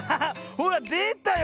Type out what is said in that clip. ほらでたよ